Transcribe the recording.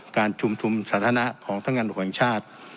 การจุ่มทุ่มสาธารณะของทั้งงานหัวเองชาติ